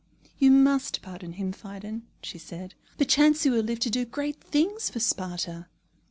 "You must pardon him, Phidon," she said. "Perchance he will live to do great things for Sparta."